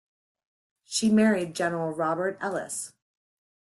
She married General Robert Ellice.